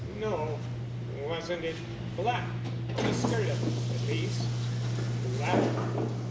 "No." "Wasn't it black? the skirt of it, at least?" "Black?